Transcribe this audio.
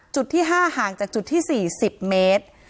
จุดที่๕ห่างจากจุดที่๔๐เมตร